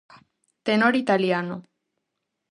Tenor italiano.